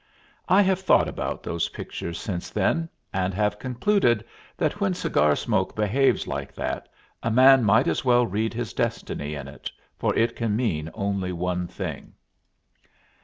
I have thought about those pictures since then, and have concluded that when cigar smoke behaves like that, a man might as well read his destiny in it, for it can mean only one thing.